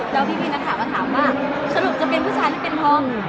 แล้วพี่พีนก็ถามว่าถามว่าสรุปจะเป็นผู้ชายหรือเป็นทอง